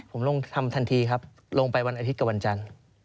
ผมลงทำทันทีครับลงไปวันอาทิตย์กับวันจันทร์